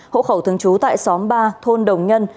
hộ khẩu thường trú tại xóm ba thôn đồng nhân